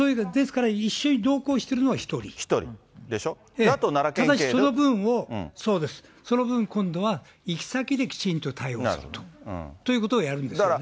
ですから、１人でしょ、ただしその分を、そうです、その分、今度は行き先できちんと対応すると、ということをやるんですよね。